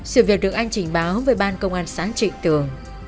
sự việc được anh trình báo về ban công an xá trịnh tường